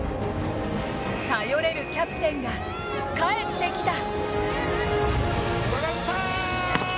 頼れるキャプテンが帰ってきた。